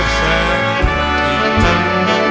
มีพลังทุกจิตแล้ว